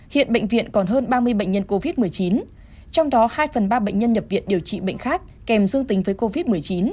hiện bệnh viện còn hơn ba mươi bệnh nhân covid một mươi chín trong đó hai phần ba bệnh nhân nhập viện điều trị bệnh khác kèm dương tính với covid một mươi chín